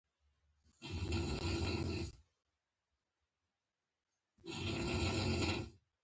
ټپونه د جزام شنه شوي